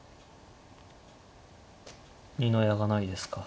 二の矢がないですか。